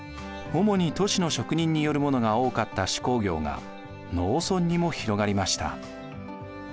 主に都市の職人によるものが多かった手工業が農村にも広がりました。